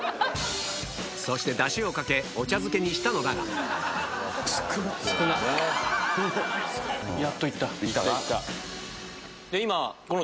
そしてダシをかけお茶漬けにしたのだがやっと行った。